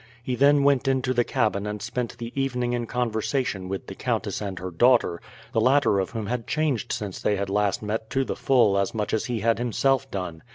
He then went into the cabin and spent the evening in conversation with the countess and her daughter, the latter of whom had changed since they had last met to the full as much as he had himself done.